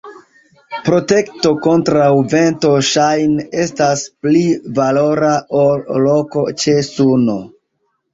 Protekto kontraŭ vento ŝajne estas pli valora ol loko ĉe suno.